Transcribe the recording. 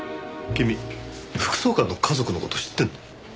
君副総監の家族の事知ってるの？